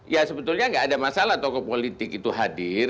ya sebetulnya nggak ada masalah tokoh politik itu hadir